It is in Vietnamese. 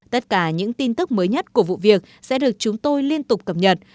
tất cả những tin tức mới nhất của vụ việc sẽ được chúng tôi liên tục cập nhật